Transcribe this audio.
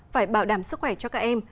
phải bảo đảm sức khỏe cho các em